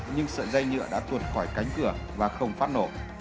nhưng sợi dây nhựa đã tuột khỏi cánh cửa và không phát nổ